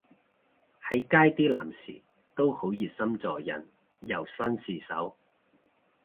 喺街啲男士都好熱心助人又紳士手